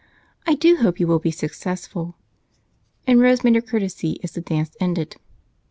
I do hope you will be successful." And Rose made her curtsey as the dance ended.